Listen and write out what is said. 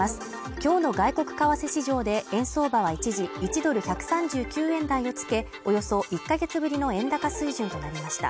今日の外国為替市場で円相場は一時１ドル＝１３９円台をつけ、およそ１か月ぶりの円高水準となりました。